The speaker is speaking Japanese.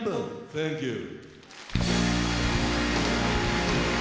サンキュー。